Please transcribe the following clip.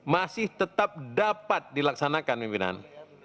masih tetap dapat dilaksanakan pimpinan